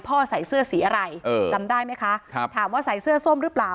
ใส่เสื้อสีอะไรเออจำได้ไหมคะครับถามว่าใส่เสื้อส้มหรือเปล่า